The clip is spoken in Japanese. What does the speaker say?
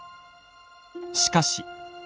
しかし。